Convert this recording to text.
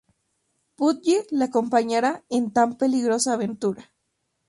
Pudgy le acompañará en tan peligrosa aventura.